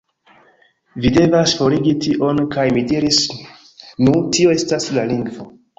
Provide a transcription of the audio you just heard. Vi devas forigi tion" kaj mi diris, "Nu, tio estas la lingvo.